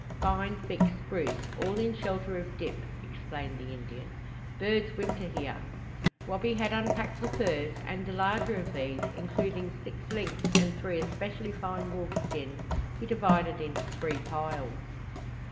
"Fine thick spruce, all in shelter of dip," explained the Indian. "Birds winter here." Wabi had unpacked the furs, and the larger of these, including six lynx and three especially fine wolf skins, he divided into three piles.